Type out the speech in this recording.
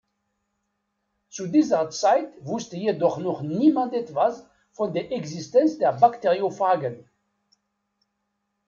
Zu dieser Zeit wusste jedoch noch niemand etwas von der Existenz der Bakteriophagen.